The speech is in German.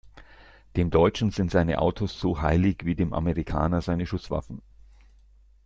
Dem Deutschen sind seine Autos so heilig wie dem Amerikaner seine Schusswaffen.